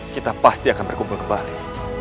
kita pasti akan berkumpul kembali